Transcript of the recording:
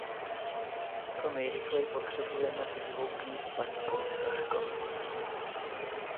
Co nejrychleji potřebujeme bílou knihu, paní komisařko.